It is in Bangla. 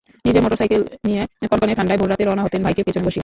নিজের মোটরসাইকেল নিয়ে কনকনে ঠান্ডায় ভোররাতে রওনা হতেন ভাইকে পেছনে বসিয়ে।